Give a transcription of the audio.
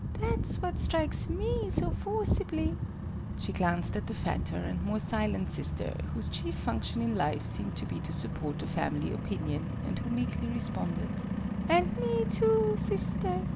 That's what strikes me so forcibly!" She glanced at the fatter and more silent sister, whose chief function in life seemed to be to support the family opinion, and who meekly responded "And me too, sister!"